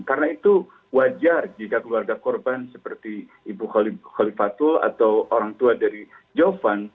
karena itu wajar jika keluarga korban seperti ibu khalifatul atau orang tua dari jofan